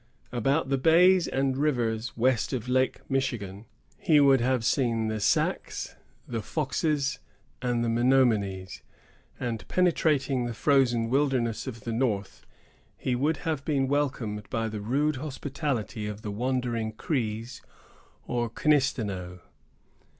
About the bays and rivers west of Lake Michigan, he would have seen the Sacs, the Foxes, and the Menomonies; and penetrating the frozen wilderness of the north, he would have been welcomed by the rude hospitality of the wandering Crees or Knisteneaux.